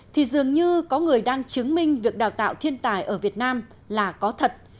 thì dường như có người đang chứng minh việc đào tạo thiên tài ở việt nam là có thật